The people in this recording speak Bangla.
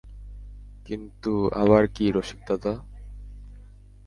কিন্তু আবার কী রসিকদাদা?